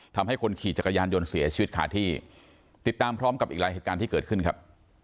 ทำให้คนขี่จักรยานยนต์เสียชีวิตขาดที่ติดตามพร้อมกับอีกหลายเหตุการณ์ที่เกิดขึ้นครับ